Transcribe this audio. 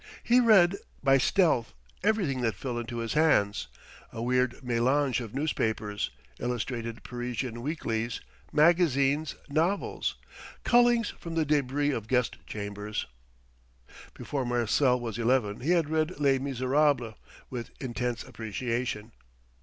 He read, by stealth, everything that fell into his hands, a weird mélange of newspapers, illustrated Parisian weeklies, magazines, novels: cullings from the débris of guest chambers. Before Marcel was eleven he had read "Les Misérables" with intense appreciation.